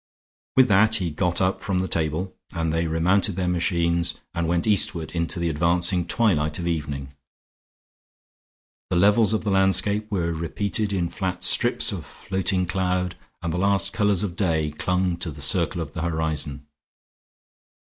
With that he got up from the table, and they remounted their machines and went eastward into the advancing twilight of evening. The levels of the landscape were repeated in flat strips of floating cloud and the last colors of day clung to the circle of the horizon.